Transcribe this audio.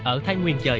ở thái nguyên chơi